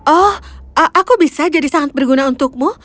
oh aku bisa jadi sangat berguna untukmu